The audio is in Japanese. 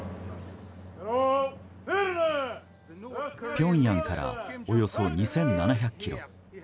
ピョンヤンからおよそ２７００ｋｍ。